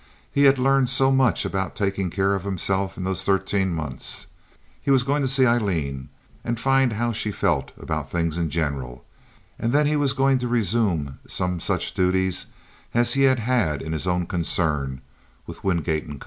He had learned so much about taking care of himself in those thirteen months. He was going to see Aileen, and find how she felt about things in general, and then he was going to resume some such duties as he had had in his own concern, with Wingate & Co.